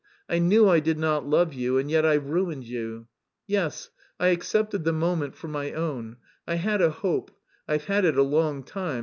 I knew I did not love you and yet I ruined you! Yes, I accepted the moment for my own; I had a hope... I've had it a long time...